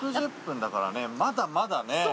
６０分だからねまだまだね。